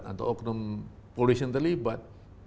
atau oknum polisi yang terlibat